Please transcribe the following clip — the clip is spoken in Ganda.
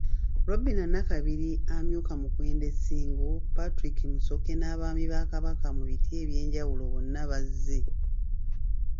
Robinah Nakabiri, amyuka Mukwenda e Ssingo Patrick Musoke n’Abaami ba Kabaka mu biti ebyenjawulo bonna bazze.